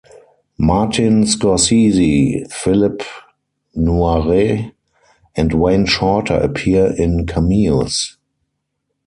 Martin Scorsese, Philippe Noiret and Wayne Shorter appear in cameos.